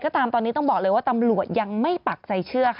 ตนตำรวจยังไม่ปักใจเชื่อ